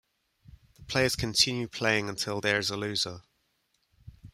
The players continue playing until there is a loser.